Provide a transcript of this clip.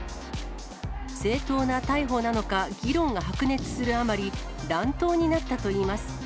正当な逮捕なのか、議論が白熱するあまり、乱闘になったといいます。